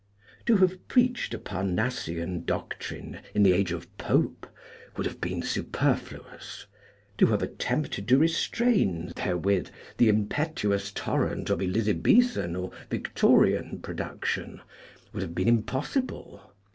To have preached a Parnassian doctrine in the age of Pope would have been superfluous: to have attempted to restrain therewith the impetuous tor rent of Elizabethan or Victorian production would have been impossible.